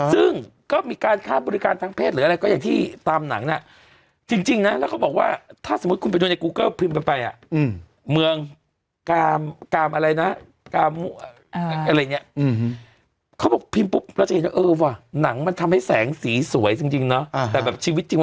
เหมือนแบบว่าพระเทศสวนที่กาญาติภรี